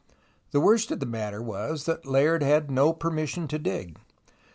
The worst of the matter was that Layard had no per mission to dig.